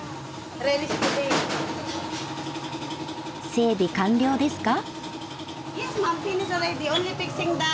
整備完了ですか？